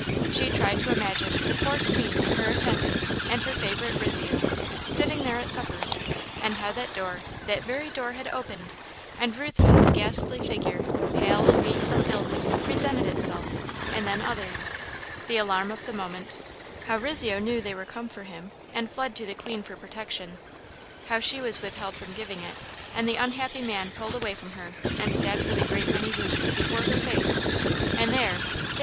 She tried to imagine the poor Queen and her attendant and her favourite Rizzio, sitting there at supper, and how that door, that very door, had opened, and Ruthven's ghastly figure, pale, and weak from illness, presented itself, and then others; the alarm of the moment; how Rizzio knew they were come for him, and fled to the Queen for protection; how she was withheld from giving it, and the unhappy man pulled away from her, and stabbed with a great many wounds, before her face; and there, there!